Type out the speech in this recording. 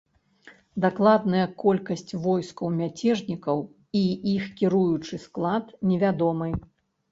Дакладная колькасць войскаў мяцежнікаў і іх кіруючы склад невядомы.